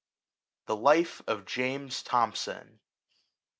THE LIFE OF JAMES THOMSON.